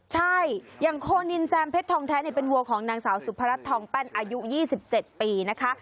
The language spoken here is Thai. ใช่อย่างโคนินแซมเพชรทองแท้เป็นวัวของนางสาวสุพรัชทองแป้นอายุ๒๗ปีนะคะ